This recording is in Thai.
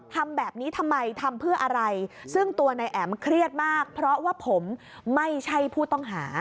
ทำแบบนี้ทำไมทำเพื่ออะไรซึ่งตัวนายแอ๋มเครียดมากเพราะว่าผมไม่ใช่ผู้ต้องหา